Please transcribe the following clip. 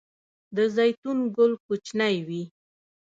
د زیتون ګل کوچنی وي؟